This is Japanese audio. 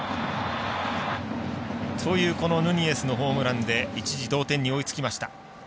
ヌニエスのこのホームランで一時、同点に追いつきました。